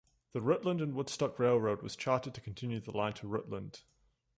The Rutland and Woodstock Railroad was chartered to continue the line to Rutland.